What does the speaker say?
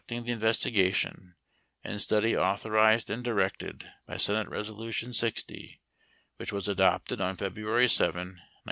ing the investigation and" study authorized and directed by Senate Resolution 60 which was adopted on February 7, 1973.